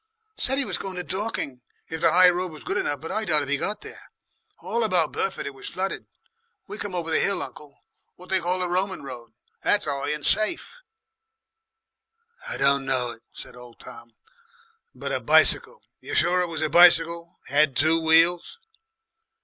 "Said 'e was going to Dorking if the High Road was good enough. But I doubt if he got there. All about Burford it was flooded. We came over the hill, uncle what they call the Roman Road. That's high and safe." "Don't know it," said old Tom. "But a bicycle! You're sure it was a bicycle? Had two wheels?"